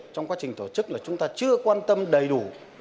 trong quá trình tổ chức là chúng ta chưa quan tâm đầy đủ